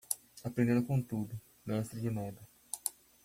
Aprendendo com tudo, mestre de nada.